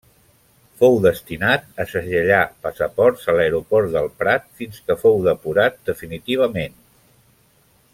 Fou destinat a segellar passaports a l'aeroport del Prat fins que fou depurat definitivament.